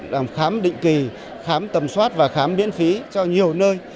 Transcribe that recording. làm khám định kỳ khám tầm soát và khám miễn phí cho nhiều nơi